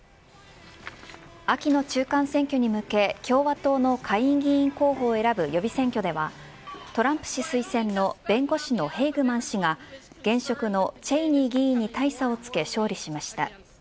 秋の中間選挙に向け共和党の下院議員候補を選ぶ予備選挙では、トランプ氏推薦の弁護士のヘイグマン氏が現職のチェイニー議員に大差をつけ、勝利しました。